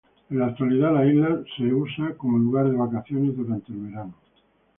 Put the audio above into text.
En la actualidad la isla se usa como lugar de vacaciones durante el verano.